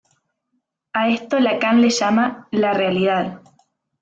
A esto Lacan le llama "la realidad".